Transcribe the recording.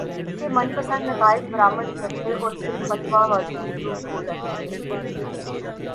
اس سے من پسندنتائج برآمد کرتے اورپھر فتوی بازی شروع ہو جاتی ہے۔